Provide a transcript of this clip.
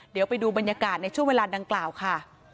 เดี๋ยวไปดูบรรยากาศในช่วงเวลาดังกล่าวค่ะ